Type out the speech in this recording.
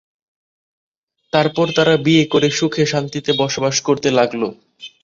তারপর তারা বিয়ে করে সুখে শান্তিতে বসবাস করতে লাগল।